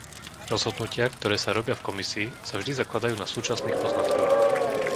Rozhodnutia, ktoré sa robia v Komisii, sa vždy zakladajú na súčasných poznatkoch.